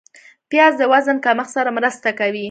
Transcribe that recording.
پیاز د وزن کمښت سره مرسته کوي